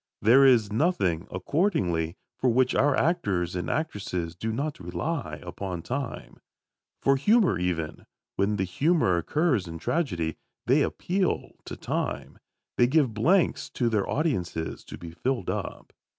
There is nothing, accordingly, for which our actors and actresses do not rely upon time. For humour even, when the humour occurs in tragedy, they appeal to time. They give blanks to their audiences to be filled up.